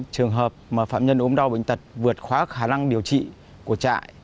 trường hợp mà phạm nhân ốm đau bệnh tật vượt khóa khả năng điều trị của trại